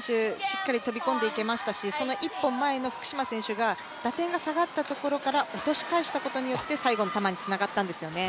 しっかり飛び込んでいけましたしその１本前の福島選手が打点が下がったところから落とし返したことによって最後の球につながったんですよね。